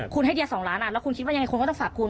คุณให้เดีย๒ล้านแล้วคุณคิดว่ายังไงคุณก็ต้องฝากคุณ